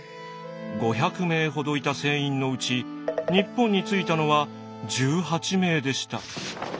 ５００名ほどいた船員のうち日本に着いたのは１８名でした。